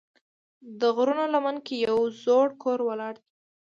د غرونو لمن کې یو زوړ کور ولاړ دی.